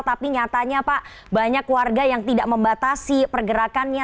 tapi nyatanya pak banyak warga yang tidak membatasi pergerakannya